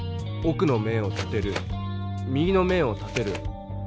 奥の面を立てる右の面を立てる。